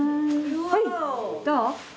はいどう？